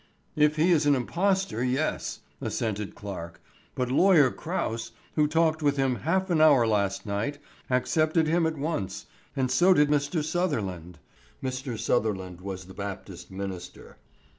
"If he is an impostor, yes," assented Clarke; "but Lawyer Crouse, who talked with him half an hour last night, accepted him at once, and so did Mr. Sutherland." Mr. Sutherland was the Baptist minister.